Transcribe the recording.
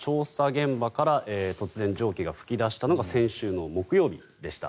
現場から突然、蒸気が噴き出したのが先週の木曜日でした。